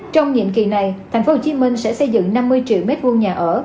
trong nhiệm kỳ này tp hcm sẽ xây dựng năm mươi triệu m hai nhà ở